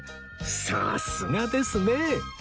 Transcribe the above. さすがですね！